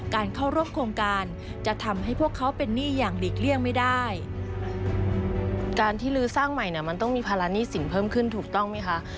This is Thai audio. การที่รื้อสร้างใหม่มันต้องมีภาระหนี้สินเพิ่มขึ้นถูกต้องไหมคะ